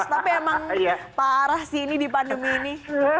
tapi emang parah sih ini di pandemi ini